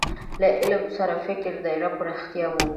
له علم سره د فکر دايره پراختیا مومي.